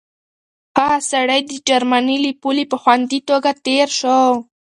هغه سړی د جرمني له پولې په خوندي توګه تېر شو.